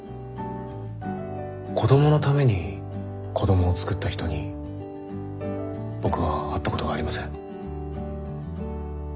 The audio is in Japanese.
子どものために子どもを作った人に僕は会ったことがありません。